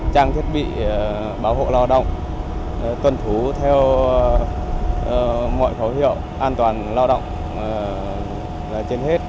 trang thiết bị bảo hộ lao động tuần thú theo mọi khẩu hiệu an toàn lao động trên hết